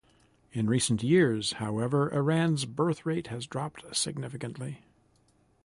In recent years, however, Iran's birth rate has dropped significantly.